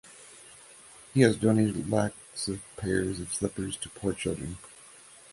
He has donated lacs of pairs of slippers to poor children.